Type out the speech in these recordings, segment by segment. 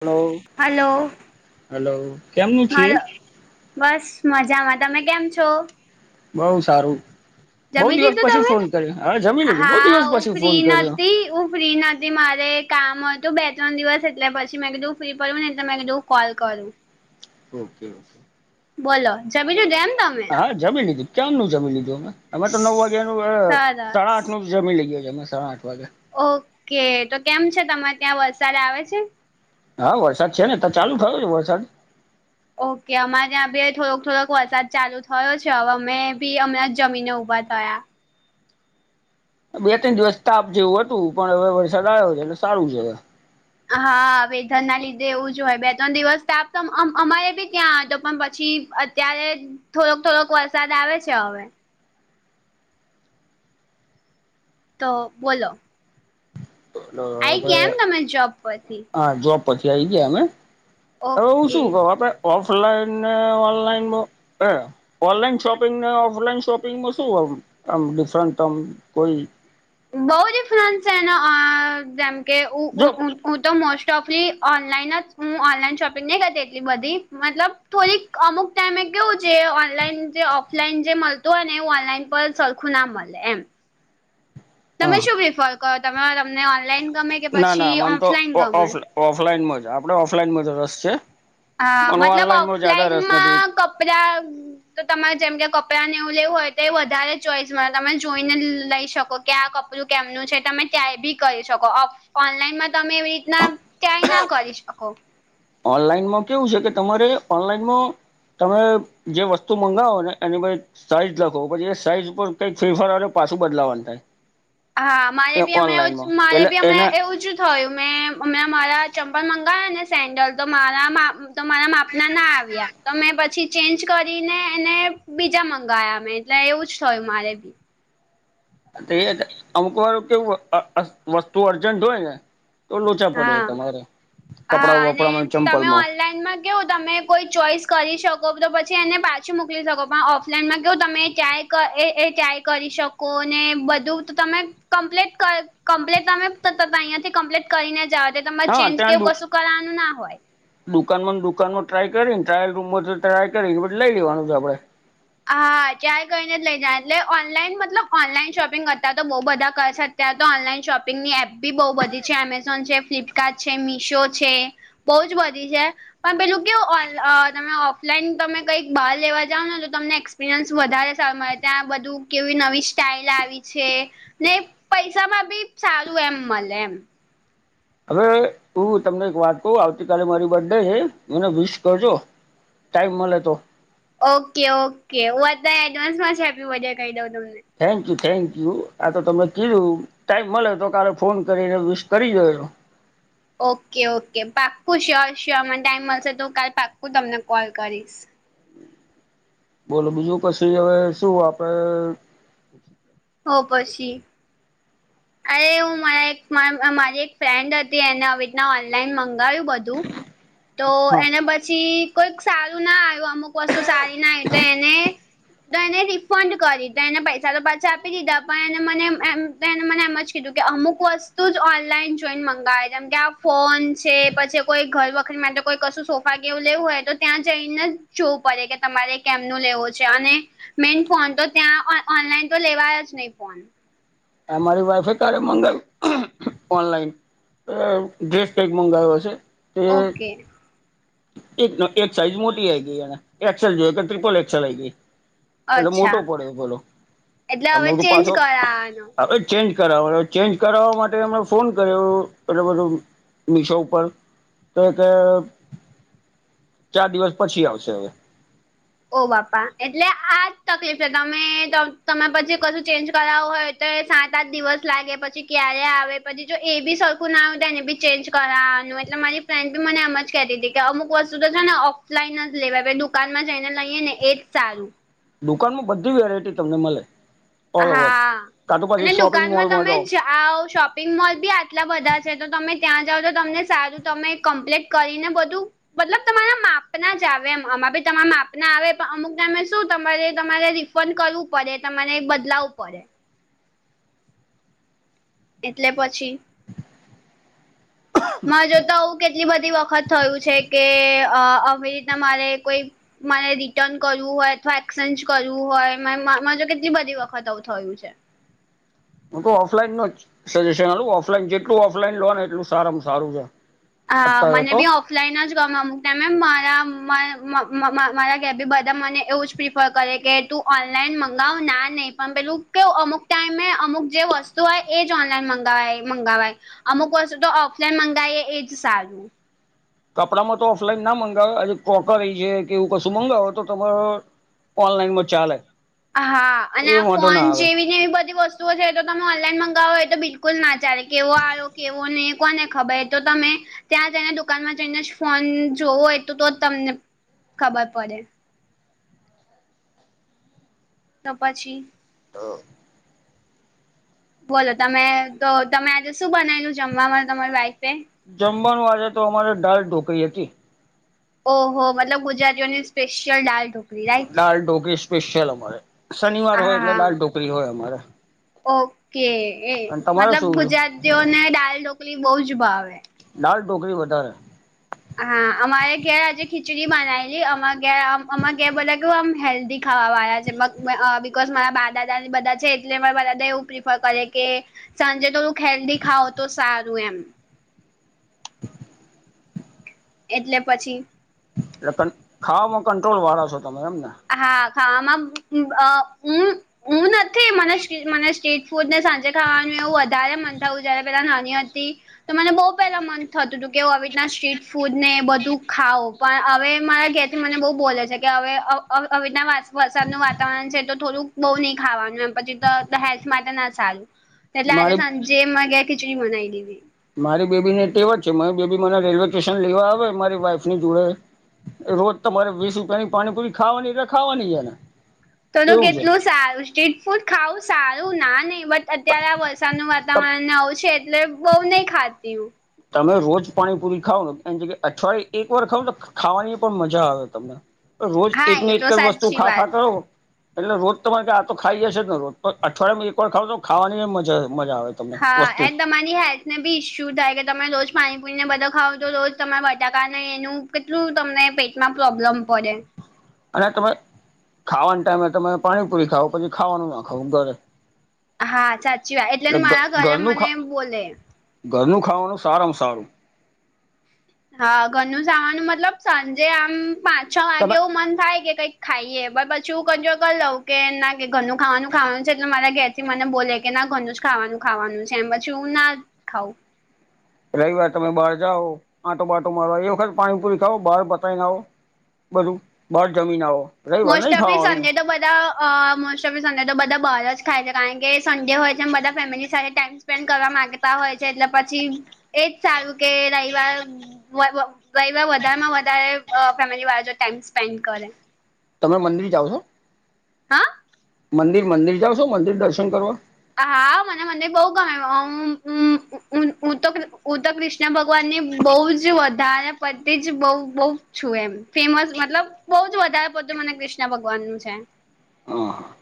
Hello hello- કેમનું છે હા બસ મજામાં તમે કેમ છો? બઉ સારું બઉ જમી દિવસ લીધું પછી તમે? ફોન કર્યો હા જમી લીધું બઉ હા દિવસ હું પછી ફોન ફ્રી કર્યો? નથી હું ફ્રી નથી મારે કામ હતું બે ત્રણ દિવસ એટલે પછી મેં કીધું ફ્રી પડવું ને એટલે મેં કીધું કોલ કરવું. ઓકે ઓકે બોલો જ બીજું ડેમ તમે [inaudible] હા જમી લીધું ક્યારનું જમી લીધું અમે અમે તો નવ વાગ્યાનું સરસ આપ જમી લઈએ છીએ અમે સાડા આઠ વાગે- ઓકે! તો કેમ છે. તમારે ત્યાં વરસાદ આવે છે. હા વરસાદ છે ને ત ચાલુ થયો છે વરસાદ- ઓકે અમારે ત્યાં બે થોડોક થોડોક વરસાદ ચાલુ થયો છે હવે અમે બી અમણાં જમીને ઊભા થયા. બે ત્રણ દિવસ તાપ જેવું હતું પણ હવે વરસાદ આઈવી છે એટલે સારું છે હવે. હા વેધર ના લીધે એવું જ હોય બે ત્રણ દિવસ તાપ અમ અમારે બી ત્યાં પણ પછી ત્યારે થોડોક થોડોક વરસાદ આવે છે હવે- તો બોલો- આઈ આપ ગયા એમ તમે જોબ પરથી હા જોબ- પછી આઈ ગયા અમે હવે હુ ઓકે શું કહું આપણે- ઓફલાઇન ને ઓનલાઇનું એ ઓનલાઈન શોપિંગ ને ઓફલાઈન શોપિંગમાં શું આમ આમ ડિફરન્ટ આમ કોઈ? બહુ ડિફરન્સ એ છે જેમકે ઉ ઉ જો ઉ હું તો મોસ્ટ ઓફલી ઓનલાઈન જ હું ઓનલાઈન શોપિંગ નહી કરતી એટલી બધી મતલબ થોલીક અમુક ટાઈમે કેવું છે ઓનલાઈન જે ઓફલાઈન જે મલતું હોય ને એ ઓનલાઈન પર સર ખું ના મલે એમ. તમે હા શું પ્રિફર કરો તમે તમને ઓનલાઈન ગમે? કે ના ના પછી મને તો ઓફલાઈન ગમે ઓફ ઓફલાઈનમાં જ આપણે ઓફલાઈનમાં જ રસ છે. હા મને મતલબ ઓનલાઈનમાં જ્યાદા રસ નથી ઓફલાઈનમાં કપડા તો તમારે જેમ કે કપડાં ને એવું લેવું હોય તો એ વધારે ચોઈસ મલે તમે જોઈને લઈ શકો. કે આ કપડું કેમનું છે તમે ત્યા ભી કરી શકો ઓ ઓનલાઈનમાં તમે એવી રીતના ટ્રાય ના કરી શકો. ઓનલાઈનમાં કેવું છે કે તમારે ઓનલાઈનમાં તમે જે વસ્તુ મંગાવો ને એની બધી સાઈઝ લખો પછી એ સાઈઝ ઉપર કઈક ફેરફાર આવે તો પાછું બદલાવાનું થાય. હા મારે એ બી હમડા અવુ જ ઓનલાઈનમાં મારે એટલે બી અમ એના એવું જ થયું મેં અ મારા ચંપલ મંગાવયા ને સેન્ડલ તો મારા તો મારા માપના ના આવ્યા. તો મેં પછી ચેન્જ કરીને એને બીજા મંગાવયા મેં એટલે એવું જ થયું મારે બી. તો એ અમુક વાર કેવું અ વસ્તુ અર્જન્ટ હોય ને તો લોચા પડે હા તમારે હા કપડા અને વપડામાં, ચંપલ તમે માં. ઓનલાઈનમાં કેઉં તમે કોઈ ચોઈસ કરી શકો તો પછી એને પાછું મુકલી શકો પણ ઓફ લાઈનેમાં કેવુ તમે એ ત્યાં એ એ ત્યાંય કરી શકો ને બધું તો તમે કમ્પ્લીટ કમ્પ્લીટ તમે ત અહીંયાથી કમ્પ્લીટ કરીને જ તમારે હા ચેન્જ ત્યાં શું કરવાનું ના હોય. દુકાનમાં ન દુકાનમાં ટ્રાય કરીને ટ્રાયલ રૂમ માંથી ટ્રાય કરી એ બધી લઈ લેવાનું છે આપડે. હા ક્યાં કઈને જ લઈ જ એટલે ઓનલાઈન મતલબ ઓનલાઈન શોપિંગ અતારે તો બો બધા કરે છે. ત્યાં તો ઓનલાઈન શોપિંગની એપ બી બહુ બધી છે એમેઝોન છે, ફ્લિપકાર્ટ છે, મીશો છે. બોઉ જ બધી છે. પણ પેલું કેવું ઓન અ તમે ઓફલાઈન તમે કંઈક બાર લેવા જાવ ને તમને એક્સપિરિયન્સ વધારે સારું મળે ત્યાં બધું કેવી નવી સ્ટાઇલ આવી છે. ને પૈસા માં બી સારું એમ મલે એમ. હવે હું તમને એક વાત કઉ આવતીકાલે મારી બ ડે છે મને વિશ કરજો. ટાઈમ મલે તો. Okay okay! હું અત્યારે એડવાન્સ માં જ હેપી બ ડે કઈ દઉં તમને. Thank you, thank you! આ તો તમેં કીધું. ટાઈમ મલે તો કાલે ફોન કરીને વિસ કરી દેજો. Okay, okay! પાક્કું શ્યોર શ્યોર મને ટાઈમ મળશે તો હું કાલ પાક્કું તમને કોલ કરીશ. બોલો બીજું કશી ઈ હવે શું આપડે તો પછી. અરે હું મારા એક મારી એક ફ્રેન્ડ હતી એને આવી રીતના ઓનલાઈન મંગાયું બધું [unintelligible] તો હા એને પછી કોઈક સારું ના આવ્યું અમુક વસ્તુ સારી ના આઈ તો એને તો એને રિફંડ કરી તો એને પૈસા તો પાછા આપી દીધા પણ એને મને એમને મને એમ એમ અજ કીધું કે અમુક વસ્તુ જ ઓનલાઈન જોઈને મંગાવે જેમ કે આ ફોન છે પછી કોઈ ઘર વખત માટે કોઈ કશું સોફા કેવું લેવું હોય તો ત્યાં જઈને જ જોવું પડે કે તમારે કેમનું લેવો છે અને મેન ફોન તો ત્યાં ઓનલાઈન તો લેવા જ નહીં ફોન. આમારી વાઈફે કાલે મંગાઈવુ. ઓનલાઈન ડ્રેસ કંઈક મગાઈવો હશે. તે ઓકે! એક સાઈઝ મોટી આ ગઈ એ એક્સેલ જો કે ટ્રિપલ એસેલ આ ગઈ. એટલે અચ્છા મોટો પડે બોલો એટલે અ હવે કે પાછો. ચેન્જ કરાવાનો ચેન્જ કરાવવા ચેન્જ કરાવવા માટે એમણે ફોન કર્યો. એટલલે બધું મિશો ઉપર [inaudible] ચાર દિવસ પછી આવશે. ઓ બાપ્પા એટલે આજ તકલીફ છે. તમે પછી કશું ચેન્જ કરાવું હોય. સાત આઠ દિવસ લાગે પછી ક્યારે આવે પછી જો એ બી સરખું ના હો તો એને ભી ચેન્જ કરાવાનું એટલે મારી ફ્રેન્ડ બી મને એમ જ કેહતી હતી કે અમુક વસ્તુ તો છે ને ઓફલાઈન જ લેવાઈ દુકાનમાં જઈને લઈએેને એજ સારું. દુકાનમાં બધી વેરાયટી તમને મલે. હા અને શોપિંગ દુકાનમાં મોલમાં તમે જાઓ જા જાવ શોપિંગ મોલબી આટલા બધા છે તો તમે ત્યાં જાઓ તો તમને સારું તમે કમ્પ્લીટ કરીને બધું મતલબ તમારા માપના જ આવે એમ આમાંબી તમારા માપના આવે પણ અમુક ટાઈમે શું તમારે તમારે રી ફંડ કરવું પડે તમારે બદલાવવું પડે. એટલે પછી માર જોડતો આવું કેટલી બધી વખત થયું છે કે અ આવી રીતના મારે કોઈ મારે રિટર્ન કરવું હોય અથવા એક્સચેન્જ કરવું હોય માં માર જોડ કેટલી બધી વખત થયું છે. હું તો ઓફલાઈનું જ સજેશનઆલુ ઓફલાઈન જેટલું ઓફલાઈનલો ને એટલું સારામ સારું રે. હા મને બી ઓફ ઓફલાઈન જ ગમે અમુક ટાઈમે મારા મારા ઘેરબી બધા મને એવું જ પ્રિફર કરે કે તું ઓનલાઈન મંગાવ ના નહીં પણ પેલું કે અમુક ટાઈમે અમુક જે વસ્તુ હોય એ જ ઓનલાઈન મંગાવાય મંગાવાય અમુક વસ્તુ તો ઓફલાઈન મંગાવીએ જ સારું. કપડામાં તો ઓફલાઈન ના મંગાવે [unintelligible] એવું કશું મંગાવો તો તમાર ઓનલાઈનમાં ચાલે. હા અને એ આ વાંધો ફોન ના આવે જેવીને એવી બધી વસ્તુ શું છે તો તમે ઓનલાઈન મંગાવો એતો બિલકુલ ના ચાલે કેવો આયો કેવો નહીં કોને ખબર એતો તમે ત્યાં જઈને દુકાનમાં જઈને જ ફોન જોવો હોય તો તો જ તમને ખબર પડે. તોહ પછી [unintelligible] બોલો તમે તો તમે આજે શું બનાયલું જમવાવામાં તમારી વાઈફે જમવાનું આજેતો અમારે દાલ ઢોકરી હતી. ઓહો મતલબ ગુજરાતીઓની સ્પેશયલ દાલઢો દાળઢોકરી સ્પેશિયલ અમારે શનિવાર હોય એટલે હા દાળઢોકરી હોય અમારે. ઓકે એ અને તમારે મતલબ શું ગુજરાતીઓને દાલ ઢોકલી બવજ ભાવે. દાળઢોકરી વધારે હા અમારે ઘેર આજે ખીચડી બનાવીલી અમા ઘ અમા ઘેર બોલા કે હ આમ હેલ્ધી ખાવા વાળા છે બીિકઝ મારા બા દાદા ને બધા છે એટલે મારા દાદા એવું પ્રિફર કરે કે સાંજે થોડુંક હેલ્ધી ખાઓ તો સારું એમ એટલે પછી એટલે ખામાં કંટ્રોલ વાળા છો તમે એમ ને હા હા ખાવામાં આ હમ- હું નથી મને મને સ્ટ્રીટ ફૂડ ને સાંજે ખાવાનું એવું વધારે મન થું જયારે પેલા નડિયાદથી તો મને બહુ પેલા મન થતું હતું કે આવી રીતના સ્ટ્રીટફૂડ ને બધું ખાવ પણ હવે મારા ઘેરથી મને બહુ બોલે છે કે હવે હવેના વરસાદનું વાતાવરણ છે તો થોડુંક બહુ નઈ ખાવાનું એમ પછી તો હેલ્થ માટેના સારુ એટલે આજે મારી સાંજે માર ઘેર ખીચડી બનાઈ દીધી. મારી બેબીને ટેવ જ છે મારી બેબી મને રેલવે સ્ટેશન લેવા આવે મારી વાઈફની જોડે રોજ તમારે વીસ રૂપિયાની પાણીપુરી ખાવાની એટલે ખાવાની જ એને તો તો એવું છે કેટલું સારું સ્ટ્રીટફૂડ ખાવું સારું ના નય બટ અત્યારે આ વરસાદનું વાતાવરણને આવું છે એટલે બઉ નય ખાતી હું તમે રોજ પાણીપુરી ખાવને એન જગ્યાએ અઠવાડિયે એક વાર ખાવને ખાવાની પણ મજા આવે તમને અવે રોજ હા એ એકની તો એક વસ્તુ સાચી ખા વાત ખા કરો એટલે રોજ તમારે કે આતો ખાઈએ જ છે ને રોજ અઠવાડિયાેમાં એક વાર ખાવને તોહ ખાવાનીય મજા મજા આવે તમને હા વસ્તુ અને [unintelligible] મેબી ઈશ્યું થાય કે તમે રોજ પાણીપુણીને બધૂ ખાવતો રોજ તમારે બટાકાને એનું કેટલું તમને પેટમાં પ્રોબ્લેમ પડે. અને તમે ખાવાના ટાઈમે તમે પાણીપુરી ખાવ પછી ખાવાનું ના ખાવું ઘરે- હા સાચી વાત એટલે મને મારા ઘરે ઘરનું ખા મને બોલે- ઘરનું ખાવાનું સારામાં સારું. હા ઘરનું ખાવાનું મતલબ સાંજે આમ પાંચ છ વાગે તમે એવું મન થાય કે કઈક- ખાઈએ બ પછી હું કંટ્રોલ કરી લઉં કે ના કે ઘરનું ખાવાનું ખાવાનું છે એટલે મારા ગેસ- મને બોલે કે ના ઘરનું જ ખાવાનું ખાવાનું છે એમ પછી હું ના ખાઉ- રવિવાર તમે બહાર જાઓ આંટો બાટો મારવા એ વખત પાણીપુરી ખાવ બહાર પતાવી ના આવો- બધું બહાર જમીને આવો- રવિવાર મોસ્ટ નહી ઓફ તો ખાવાનું સન્ડે તો બધા- અ મોસ્ટ ઓફી સન્ડે તો બધા બહાર જ ખાય છે કારણ કે સન્ડે હોય છેમ બધા ફેમિલી સાથે ટાઈમ- સ્પેન્ડ કરવા માંગતા હોય છે એટલે પછી એજ સારું કે રવાર- વહીવા વધારેમાં વધારે ફેમિલી વાળા ટાઈમ સ્પેન્ડ કરે- તમે મંદિર જાઓ છો? હા મંદિર મંદિર જાઓ છો મંદિર દર્શન કરવા? હા મને મને બઉ ગમે અ હમ- હું તો હું તો કૃષ્ણ ભગવાનની બહુ જ વધારે પતિ જ બહુ બહુ છું એમ- ફેમસ મતલબ બહુ જ વધારે બધું મને કૃષ્ણ ભગવાન નું છે. હા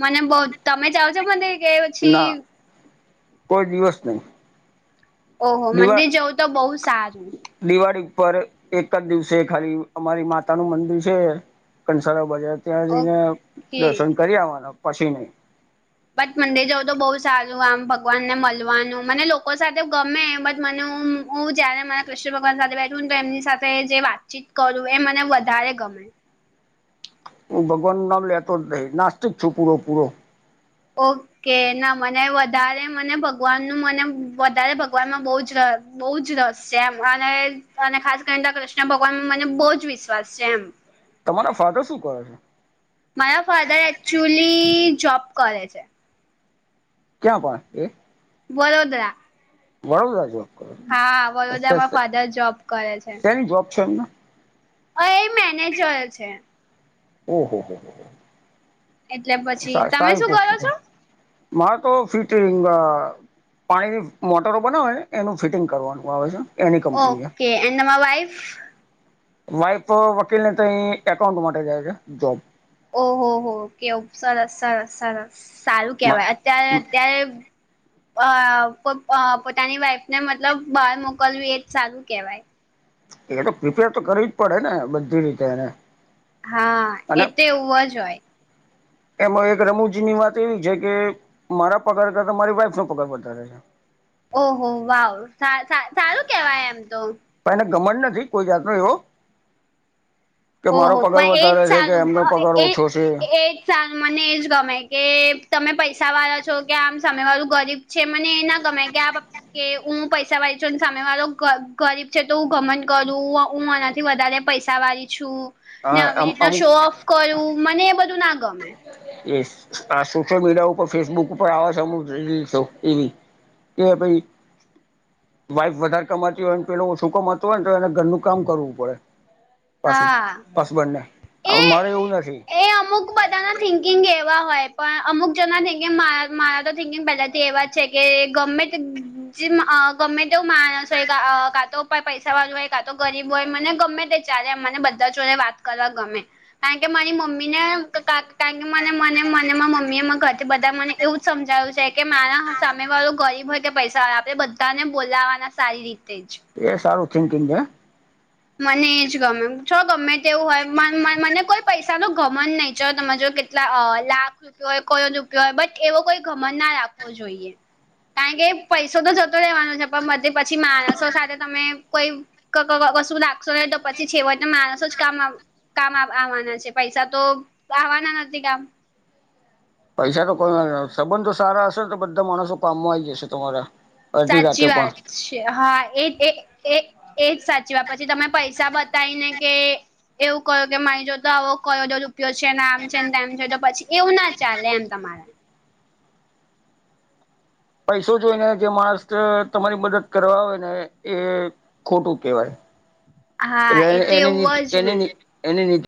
મને બવ તમે જાવ છો મને કે- ના પછી કોઈ દિવસ નહી- ઓહો દિવા મંદિર જવું તો બહુ સારું. દિવાળી ઉપર એક જ દિવસે ખાલી અમારી માતા નું મંદિર છે. કંસાર બજાર ત્યાં જઈને ઓકે દર્શન કરી આવવાના પછી નઈ- બટ મંદિર જવ તો બહુ સારું આમ ભગવાનને મળવાનું મને લોકો સાથે ગમે બટ મને હું- હું જયારે મારા કૃષ્ણ ભગવાન સાથે બેઠું તો એમની સાથે જે વાતચીત કરું એ મને વધારે ગમે- ભગવાન નું નામ લેતો જ નથી નાસ્તિક છું પૂરો પૂરો- ઓકે ના મને વધારે મને ભગવાનનું મને વધારે ભગવાનમાં બહુ જ રસ. બહુ જ રસ છે એમ અને અને ખાસ કરીને કૃષ્ણ ભગવાનમાં મને બહુ જ વિશ્વાસ છે એમ. તમારા ફાધર શું કરે છે? મારા ફાદર એક્ચુલી જોબ કરે છે. ક્યાં પણ એ વરોદરા- વડોદરા સે કે - હા વડોદરા માં ફાધર જોબ કરે છે જબ છે એને અ એ મેનેજર છે ઓ હો હો એટલે પછી તમે સાારી પ શું કરો છો? મા તો ફિટિંગ પાણીની મોટરો બનાવે ને એનું ફિટિંગ કરવાનું આવે છે એની કંપની છે ઓકે એન્ડ તમારા વાઈફ- વાઈફ વકીલ ને ત્યાં એકાઉન્ટ માટે જાય છે જોબ- ઓહ હો કેવ સરાસ સરસ - સારું કેવાય અત્યારે અત્યારે- અ પોતાની વાઈફને મતલબ બહાર મોકલવી એજ સારું કેહેવાય. એ તો પ્રિપેર તો કરવી જ પડે ને બધી રીતે એને- હા એ અને તેવું જ હોય. એમાં એક રમૂજી ની વાત એવી છે. કે મારા પગાર કરતા મારી વાઈફ નો પગાર વધારે છે. ઓહો વાવ સારું કેવાય એમ તો પણ એને ઘમંડ નથી કોઈ જાતનો એવો કે મારો ઓહો પગાર પણ વધારે એજ છે કે સારું એમનો પગાર એ ઓછો છે એજ સારું મને એજ ગમે કે તમે પૈસા વાળા છો કે આમ સામે વાળું ગરીબ છે મને એ ના ગમેય કે આ કે હું પૈસા વાળી છું સામે વાળો ગરીબ છે તો હ ગમન કરું હું આનાથી વધારે પૈસા વાળી છું ને આવી આ રીતના અમુક શો ઓફ કરું મને એ બધું ના ગમે એ આ સોશિયલ મીડિયા ઉપર ફેસબુક ઉપર આવાુ રીલો એવી એ ભાઈ વાઇફ વધારે કમાતી હોય ને પ એ ઓછું કમાત હોય તો એને ઘરનું કામ કરવું પડે પાશુ હા પશુબનને એ મારે એવું નથી એ અમુક બધાના થિંકિંગ એવા હોય પણ અમુક જના થિંકિંગ મા મારા તો થિંકિંગ પહેલાંથી એવા જ છે કે ગમે તે જે ગમે તેવ માણસ હોય કા તો પૈસા વાળું હોય કા તો ગરીબ હોય મને ગમે તે ત્યારે મને બધા જોને વાત કરવા ગમે કારણ કે મારી મમ્મી ને કારણ કેને મને મને મમ્મી એ ઘર બધા મને એવું જ સમજાયું છે કે મારા સામે વાળું ગરીબ હોય કે પૈસા હોય આપણેે બધાને બોલાવાના સારી રીતે જ એ સારું થિંકિંગ હે મને એજ ગમે છ ગમે તેવું હોય મને કોઈ પૈસા ન ગમત નહી છો તમે જો લાખ રૂપયો હોય કરોડ રૂપિયો હોય બટ એવો કોઈ ગમણ ના રાખવો જોઈએ કારણ કે પૈસો તો જતો રહેેવાનો છે પણ બધી પછી માણસો સાથે તમે કોઈ ક કશું રાખશો નહી તો પછી છેવયને માણસો જ કામ કામ આવવાના છે પૈસા તો આવવાના નથી કામ પૈસા તો કોઈ સંબંધો સારા હશે તો બધા માણસો કામમાં આવી જશે તમારા અડધી રાતે સાચી વાત પણ છે હા એ એ એજ સાચવા પછી તમે પૈસા બતાવી ને કે એવું ક્યું કે મારી જો તો આવો કયો તો રૂપિયો છે ને આમ છે ને તેમ છે તો પછી એવું ના ચાલે એમ તમારા પૈસો જોઈ ને જે માણસ તમારી મદદ કરવા હોય ને એ ખોટું કેહેવાય હા તો એ એવું જ ને એ એની